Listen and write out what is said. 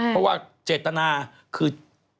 เพราะว่าเจตนาคือ